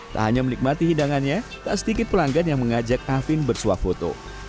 tak hanya menikmati hidangannya tak sedikit pelanggan yang mengajak afin bersuah foto